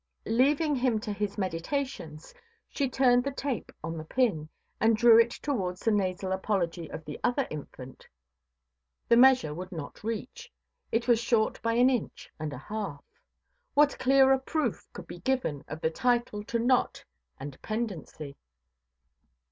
Leaving him to his meditations, she turned the tape on the pin, and drew it towards the nasal apology of the other infant. The measure would not reach; it was short by an inch and a half. What clearer proof could be given of the title to knot and pendency?